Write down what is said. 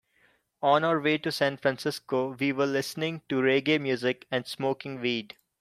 On our way to San Francisco, we were listening to reggae music and smoking weed.